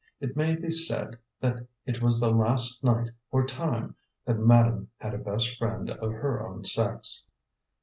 It may be said that it was the last night or time that madame had a best friend of her own sex.